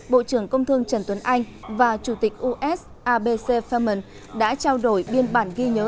bộ trưởng công thương trần tuấn anh và chủ tịch us abc filman đã trao đổi biên bản ghi nhớ